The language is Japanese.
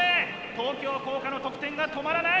東京工科の得点が止まらない！